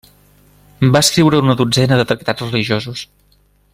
Va escriure una dotzena de tractats religiosos.